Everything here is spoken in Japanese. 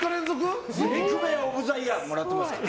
イクメン・オブ・ザ・イヤーもらってますから。